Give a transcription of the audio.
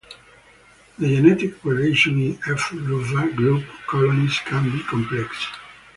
The genetic relations in "F. rufa" group colonies can be complex.